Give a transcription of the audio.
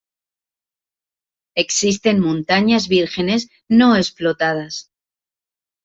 Existen montañas vírgenes, no explotadas.